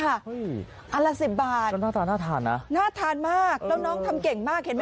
แบบนี้ฮะอันละสิบบาทน่าทานน่ะน่าทานมากแล้วน้องทำเก่งมากเห็นมั้ย